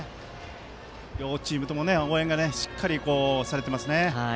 両チームとも応援がしっかりとされています。